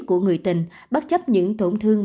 của người tình bất chấp những tổn thương